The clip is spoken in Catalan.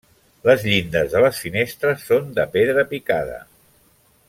Les llindes de les finestres són de pedra picada.